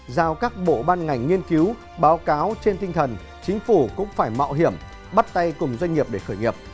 giao các bộ ban ngành nghiên cứu báo cáo trên tinh thần chính phủ cũng phải mạo hiểm bắt tay cùng doanh nghiệp để khởi nghiệp